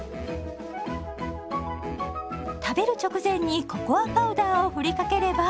食べる直前にココアパウダーをふりかければ。